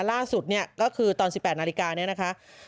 ล่าสุดเนี่ยก็คือตอน๑๘นาฬิกาเนี่ยนะคะ